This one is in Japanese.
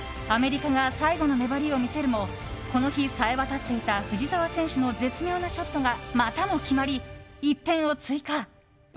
アメリカが最後の粘りを見せるもこの日、冴えわたっていた藤澤選手の絶妙なショットがまたも決まり、１点を追加。